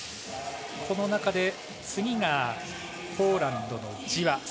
この中で次がポーランドのジワ。